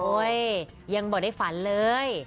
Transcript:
โอ้ยยังไม่ได้ฝันเลย